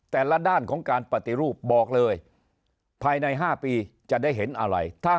แต่ละด้านของการปฏิรูปบอกเลยภายใน๕ปีจะได้เห็นอะไร